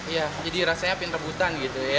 iya jadi rasanya pinterbutan gitu ya